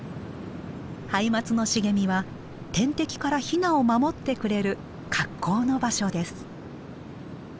ハイマツの茂みは天敵からヒナを守ってくれる格好の場所です。